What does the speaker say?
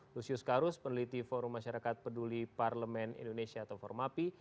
lusius karus peneliti forum masyarakat peduli parlemen indonesia atau formapi